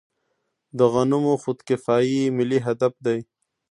د غنمو خودکفايي ملي هدف دی.